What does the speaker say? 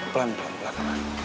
pelan pelan pelan